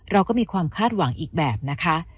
เราก็มีความคาดหวังอีกแบบนะคะ